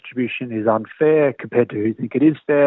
dibandingkan dengan pendapatan yang benar